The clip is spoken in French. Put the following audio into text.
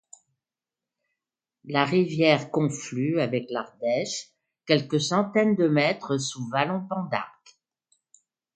La rivière conflue avec l'Ardèche quelques centaines de mètres sous Vallon-Pont-d'Arc.